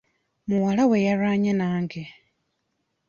Muwala we yalwanye nange.